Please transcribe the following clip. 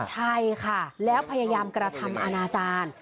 ใช่ค่ะแล้วพยายามกระทำอนาจารย์